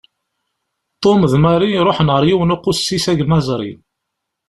Tom d Mary ruḥen ɣer yiwen uqussis agmaẓri.